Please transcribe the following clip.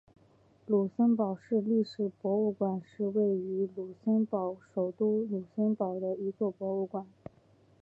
卢森堡市历史博物馆是位于卢森堡首都卢森堡市的一座博物馆。